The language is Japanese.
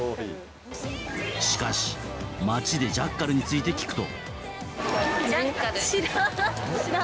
しかし、街でジャッカルについて聞くと。